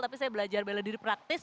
tapi saya belajar bela diri praktis